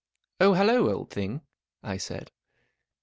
" Oh, hallo, old thing," I said.